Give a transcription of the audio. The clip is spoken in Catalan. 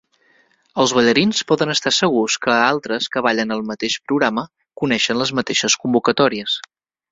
Els ballarins poden estar segurs que altres que ballen el mateix programa coneixen les mateixes convocatòries.